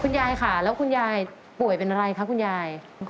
ยายค่ะแล้วคุณยายป่วยเป็นอะไรคะคุณยาย